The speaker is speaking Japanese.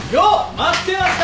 待ってました！